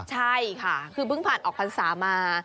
ใช่ค่ะคือเพิ่งผ่านออกพรรษามา